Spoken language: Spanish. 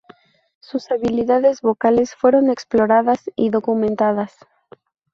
Sus habilidades vocales fueron exploradas y documentadas.